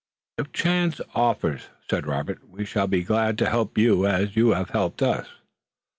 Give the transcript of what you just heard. "If chance offers," said Robert, "we shall be glad to help you as you have helped us."